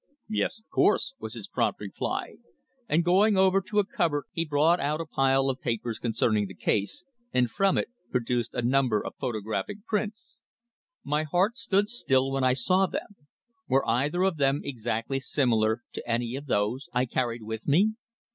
"Yes, of course," was his prompt reply, and going over to a cupboard he brought out a pile of papers concerning the case, and from it produced a number of photographic prints. My heart stood still when I saw them. Were either of them exactly similar to any of those I carried with me?